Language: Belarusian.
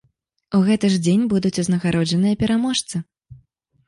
У гэты ж дзень будуць узнагароджаныя пераможцы.